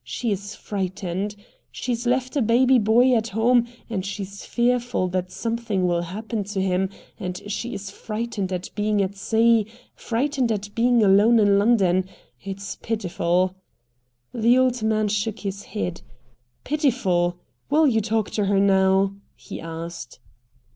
She is frightened. She's left a baby boy at home, and she's fearful that something will happen to him, and she's frightened at being at sea, frightened at being alone in London; it's pitiful." The old man shook his head. "Pitiful! Will you talk to her now?" he asked.